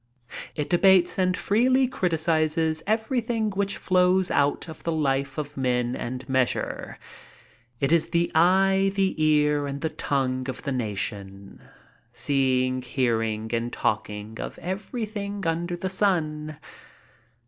It ddbates and freely criticizes everything which flows out of the life of men and measures. It is the eye, the ear and the tongue of the nation, seemg, hearing and talking of everything under the sun.